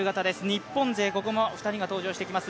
日本勢、ここも２人が登場してきます。